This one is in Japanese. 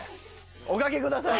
おかけください。